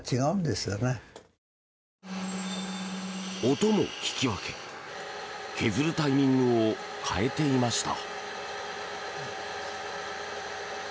音も聞き分け削るタイミングを変えていました。